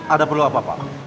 ada perlu apa apa